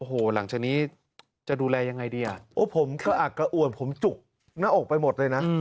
โอ้โหหลังจากนี้จะดูแลยังไงดีอ่ะโอ้ผมกระอักกระอ่วนผมจุกหน้าอกไปหมดเลยนะ